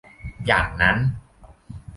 อย่างนั้น